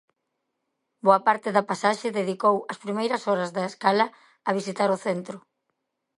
Boa parte da pasaxe dedicou as primeiras horas da escala a visitar o centro.